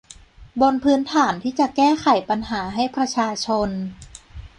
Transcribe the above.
บนพื้นฐานที่จะแก้ปัญหาให้ประชาชน